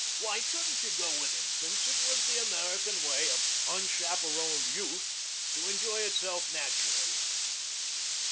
Why shouldn't she go with him, since it was the American way for unchaperoned youth to enjoy itself naturally?